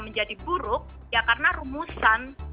menjadi buruk ya karena rumusan